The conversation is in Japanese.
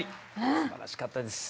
すばらしかったです。